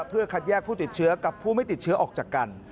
เพื่อคัดแยกผู้ติดเชื้อกับผู้ไม่ติดเชื้อออกจากกัน